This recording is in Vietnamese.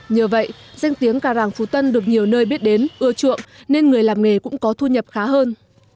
nhờ vậy danh tiếng gà ràng phú tân được nhiều nơi biết đến ưa chuộng nên người làm nghề cũng có thu nhập khá hơn